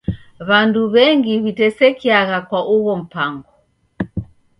W'andu w'engi w'itesekiagha kwa ugho mpango.